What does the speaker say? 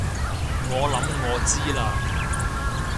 我諗我知喇